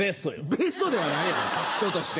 ベストではないやろ人として。